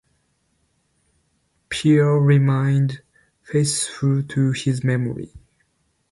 Pilar remained faithful to his memory.